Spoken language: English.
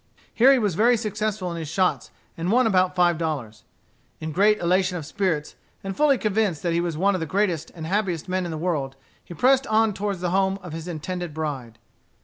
Here he was very successful in his shots, and won about five dollars. In great elation of spirits, and fully convinced that he was one of the greatest and happiest men in the world, he pressed on toward the home of his intended bride.